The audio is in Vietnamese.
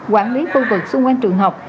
quản lý phương vực xung quanh trường học